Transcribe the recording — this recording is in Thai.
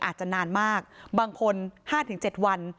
อาจจะนานมากบางคน๕๗วัน